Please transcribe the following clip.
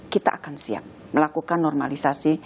kita akan siap melakukan normalisasi